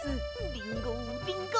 リンゴリンゴ！